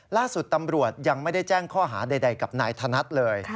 ล่าสุดตำรวจยังไม่ได้แจ้งข้อหาใดกับนายธนัดเลย